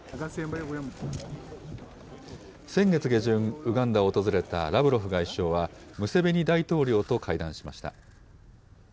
先月下旬、ウガンダを訪れたラブロフ外相は、ムセベニ大統領と会談しました。